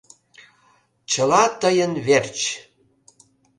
Чыла тыйын верч!